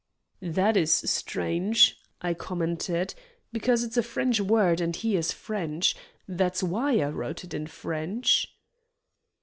"That is strange," I commented, "because it's a French word, and he is French. That's why I wrote it in French."